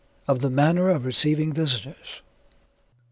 _Of the Manner of Receiving Visitors.